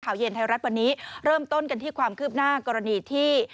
เย็นไทยรัฐวันนี้เริ่มต้นกันที่ความคืบหน้ากรณีที่